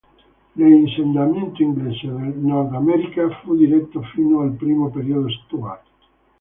L'insediamento inglese nel Nordamerica fu differito fino al primo periodo Stuart.